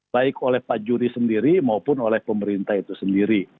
baik oleh pak juri sendiri maupun oleh pemerintah itu sendiri